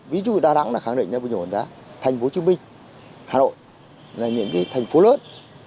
ví dụ như đà nẵng đã khẳng định bình ổn giá thành phố hà nội là những thành phố lớn